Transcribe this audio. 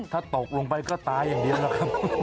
ถ้าตกลงไปก็ตายอย่างเดียวล่ะครับ